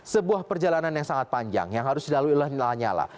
sebuah perjalanan yang sangat panjang yang harus dilalui oleh lanyala